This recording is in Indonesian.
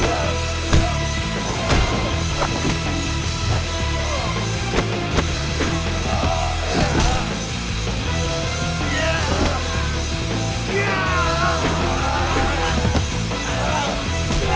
aku mau ke sana